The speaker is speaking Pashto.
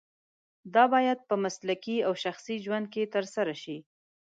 دا باید په مسلکي او شخصي ژوند کې ترسره شي.